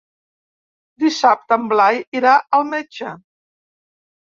Dissabte en Blai irà al metge.